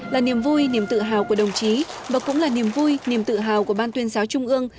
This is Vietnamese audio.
là niềm vui niềm tự hào của đồng chí và cũng là niềm vui niềm tự hào của ban tuyên giáo trung ương